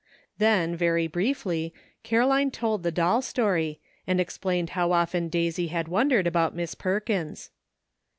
Then, very briefly, Caroline told the doll story, and explained how often Daisy had wondered about Miss Perkins.